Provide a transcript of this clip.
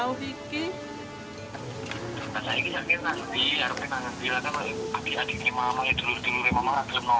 kalau adik adiknya mama